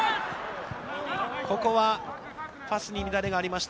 ここはパスに乱れがありました。